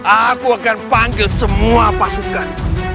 aku akan panggil semua pasukan